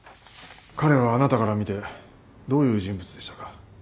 彼はあなたから見てどういう人物でしたか？